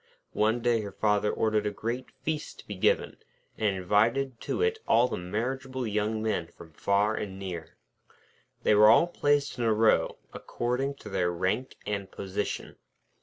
One day her father ordered a great feast to be given, and invited to it all the marriageable young men from far and near. They were all placed in a row, according to their rank and position.